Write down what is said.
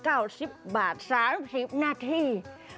อันนั้นว่าร้อย๙๐บาท๓๐นาที